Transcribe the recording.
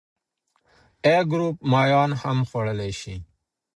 A ګروپ ماهیان هم خوړلی شي.